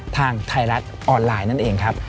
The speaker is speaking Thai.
ทางไทยรัฐออนไลน์นั่นเองครับ